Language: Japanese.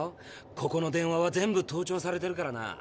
ここの電話は全部盗聴されてるからな。